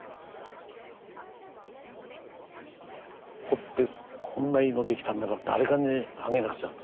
掘ってこんないいの出来たんだから誰かにあげなくっちゃって。